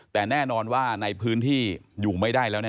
แต่แน่นอนว่าในพื้นที่อยู่ไม่ได้แล้ว